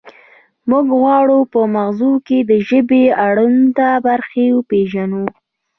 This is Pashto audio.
موږ غواړو په مغزو کې د ژبې اړوند برخې وپیژنو